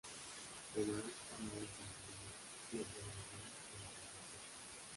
Pemán amaba el simbolismo y el ceremonial de la tradición.